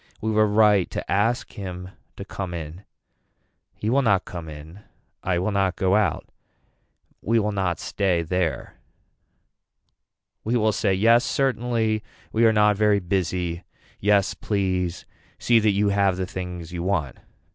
We were right to ask him to come in. He will not come in. I will not go out. We will not stay there. We will say yes certainly, we are not very busy. Yes please see that you have the things you want.